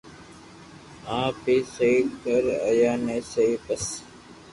آپ اي سھي ڪر آپ ني سھي بس